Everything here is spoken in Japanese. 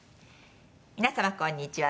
皆様こんにちは。